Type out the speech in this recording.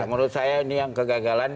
menurut saya ini yang kegagalan